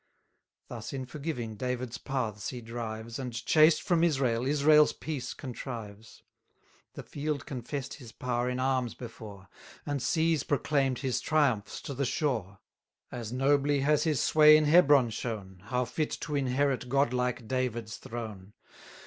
Thus, in forgiving, David's paths he drives, And, chased from Israel, Israel's peace contrives. 800 The field confess'd his power in arms before, And seas proclaim'd his triumphs to the shore; As nobly has his sway in Hebron shown, How fit to inherit godlike David's throne.